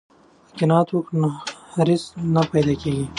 که قناعت وکړو نو حرص نه پیدا کیږي.